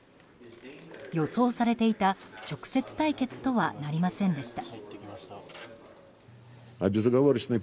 予想されていた直接対決とはなりませんでした。